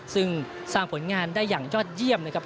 ซึ่งสร้างผลงานได้อย่างยอดเยี่ยมนะครับ